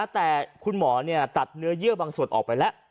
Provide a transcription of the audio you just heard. แต่คุณหมอตัดเนื้อเยื่อบางส่วนออกไปแล้ว